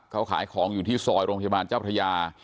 เขาขายของอยู่ที่ซอยโรงพยาบาลเจ้าพระยา